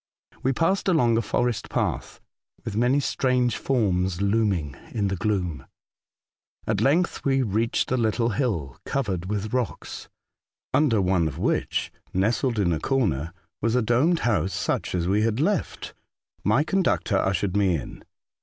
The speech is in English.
We passed along a forest path, with many strange forms looming in the gloom. At length we reached a little hill, covered with rocks, under one of which, nestled in a corner, was a domed house such as we had left. Mv con ductor ushered me in.